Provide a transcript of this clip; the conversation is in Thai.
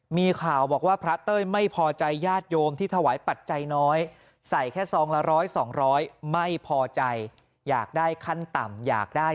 มีข่าวบอกว่าพระเต้ยไม่พอใจญาติโยงที่ถวายปัจจัยน้อย